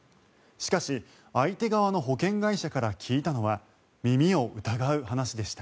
しかし、相手側の保険会社から聞いたのは耳を疑う話でした。